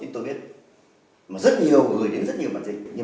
là một người dịch thơ